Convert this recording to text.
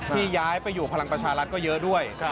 ย้ายไปอยู่พลังประชารัฐก็เยอะด้วย